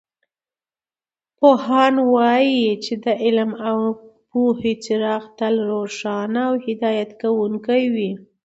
پوهان وایي چې د علم او پوهې څراغ تل روښانه او هدایت کوونکې وي